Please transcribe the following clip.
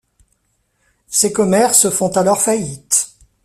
Ses commerces font alors faillite.